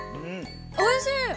おいしい！